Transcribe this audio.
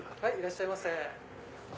いらっしゃいませ。